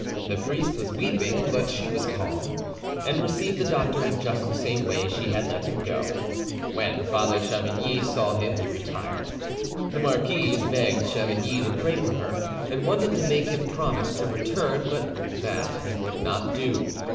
The priest was weeping, but she was calm, and received the doctor in just the same way as she had let him go. When Father Chavigny saw him, he retired. The marquise begged Chavigny to pray for her, and wanted to make him promise to return, but that he would not do.